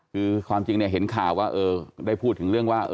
คือความจริงเนี่ยเห็นข่าวว่าได้พูดถึงเรื่องว่า